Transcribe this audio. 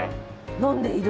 飲んでいる？